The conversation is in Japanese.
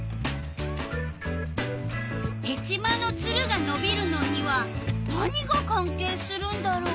ヘチマのツルがのびるのには何が関係するんだろう？